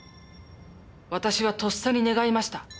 私はとっさに願いました